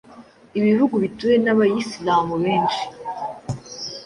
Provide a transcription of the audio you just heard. ibihugu bituwe n’abayislam benshi,